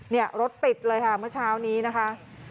เนี่ยรถติดเลยค่ะเมื่อเช้านี้นะคะ